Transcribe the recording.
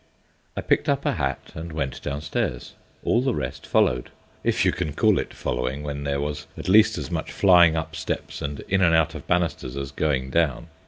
I picked up a hat and went downstairs. All the rest followed, if you can call it following, when there was at least as much flying up steps and in and out of banisters as going down.